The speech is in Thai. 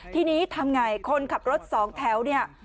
ทีนี้ทำไงคนขับรถสองแถวเนี่ย